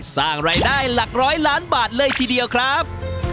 สร้างรายได้หลักร้อยล้านบาทเลยทีเดียวครับ